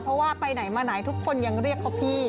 เพราะว่าไปไหนมาไหนทุกคนยังเรียกเขาพี่